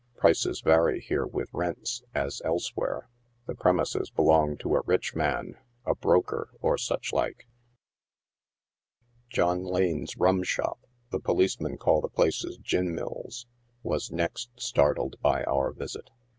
prices vary here with rents, as elsewhere. The premises belong to a rich man — a broker, or such like." " John Lane's rum shop" — the policemen call the places gin mills — was next startled by our visit.